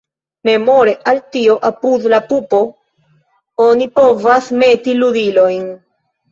Memore al tio apud la pupo oni povas meti ludilojn.